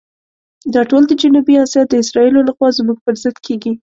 دا ټول د جنوبي آسیا د اسرائیلو لخوا زموږ پر ضد کېږي.